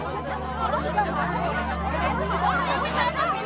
saya juga mau